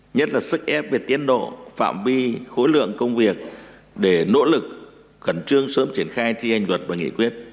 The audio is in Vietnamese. nhất là sức ép về tiến độ phạm bi khối lượng công việc để nỗ lực khẩn trương sớm triển khai thi hành luật và nghị quyết